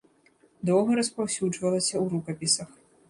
Доўга распаўсюджвалася ў рукапісах.